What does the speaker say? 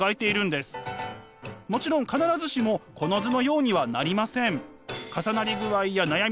もちろん必ずしもこの図のようにはなりません。